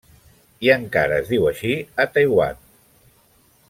I encara es diu així a Taiwan.